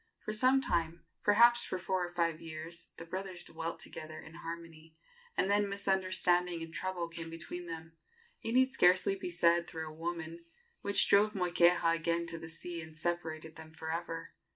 For some time perhaps for four or five years the brothers dwelt together in harmony, and then misunderstanding and trouble came between them it need scarcely be said, through a woman which drove Moikeha again to the sea and separated them for ever.